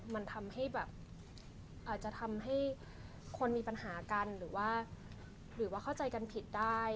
มันจะทำให้คนมีปัญหากันหรือว่าเข้าใจกันผิดได้